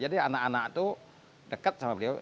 jadi anak anak itu dekat sama beliau